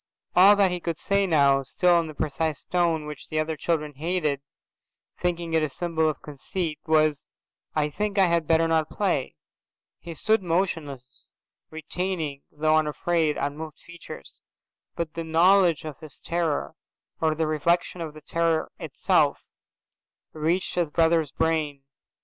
All that he could say now, still in the precise tone which other children hated, thinking it a symbol of conceit, was, "I think I had better not play." He stood motionless, retaining, though afraid, unmoved features. But the knowledge of his terror, or the reflection of the terror itself, reached his brother's brain.